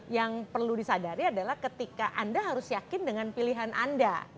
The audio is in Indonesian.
yang perlu disadari adalah ketika anda harus yakin dengan pilihan anda